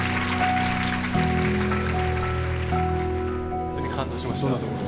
ほんとに感動しました。